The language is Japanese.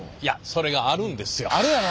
それがあるんですよ。